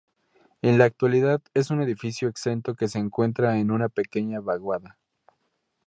En la actualidad es un edificio exento que se encuentra en una pequeña vaguada.